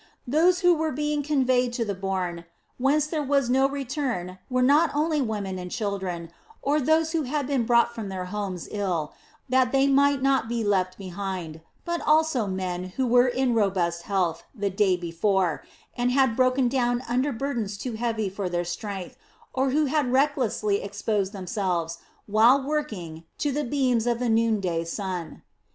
Those who were being conveyed to the bourn whence there is no return were not only women and children, or those who had been brought from their homes ill, that they might not be left behind, but also men who were in robust health the day before and had broken down under burdens too heavy for their strength, or who had recklessly exposed themselves, while working, to the beams of the noon day sun.